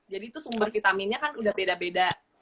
jadi itu sumber vitaminnya kan udah beda beda